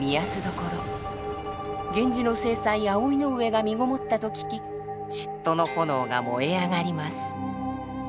源氏の正妻葵の上がみごもったと聞き嫉妬の炎が燃え上がります。